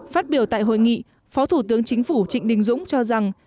phát biểu tại hội nghị phó thủ tướng chính phủ trịnh đình dũng cho rằng